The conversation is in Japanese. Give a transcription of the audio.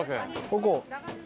ここ？